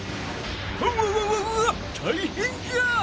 うわわうわったいへんじゃ！